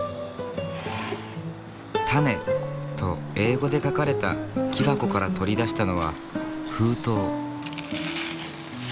「種」と英語で書かれた木箱から取り出したのは封筒。